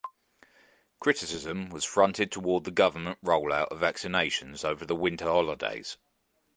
Criticism was fronted toward the government rollout of vaccinations over the winter holidays.